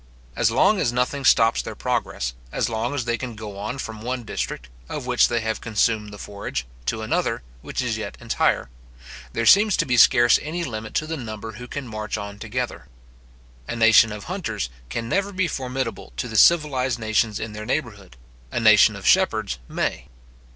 As long as nothing stops their progress, as long as they can go on from one district, of which they have consumed the forage, to another, which is yet entire; there seems to be scarce any limit to the number who can march on together. A nation of hunters can never be formidable to the civilized nations in their neighbourhood; a nation of shepherds may.